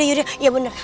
ya udah ya bener